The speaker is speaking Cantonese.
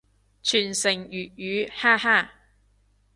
傳承粵語，哈哈